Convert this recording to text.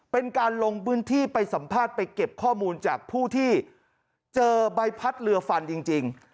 เป็นการลงพื้นที่ไปสัมภาษณ์ไปเก็บข้อมูลจากผู้ที่เจอใบพัดเรือฟันจริง